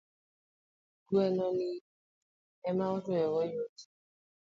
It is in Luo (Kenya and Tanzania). Gweno ni ema otoyo gi oyuech.